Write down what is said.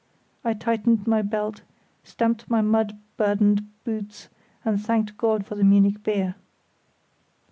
I tightened my belt, stamped my mud burdened boots, and thanked God for the Munich beer.